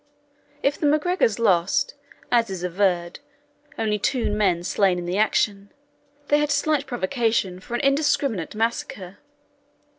If the MacGregors lost, as is averred, only two men slain in the action, they had slight provocation for an indiscriminate massacre.